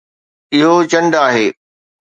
اهو چنڊ آهي